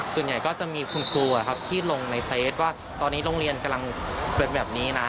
ส่วนใหญ่ก็จะมีคุณครูที่ลงในเฟสว่าตอนนี้โรงเรียนกำลังเป็นแบบนี้นะ